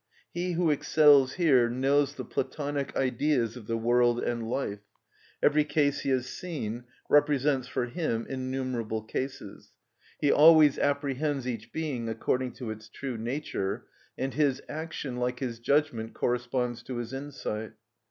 He who excels here knows the (Platonic) Ideas of the world and life; every case he has seen represents for him innumerable cases; he always apprehends each being according to its true nature, and his action, like his judgment, corresponds to his insight.